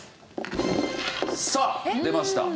さあ出ました。